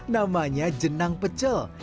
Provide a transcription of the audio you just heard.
namanya jenang pecel